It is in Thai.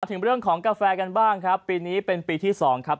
ถึงเรื่องของกาแฟกันบ้างครับปีนี้เป็นปีที่สองครับ